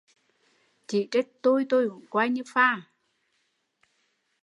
Chỉ trích tui, tui cũng coi như pha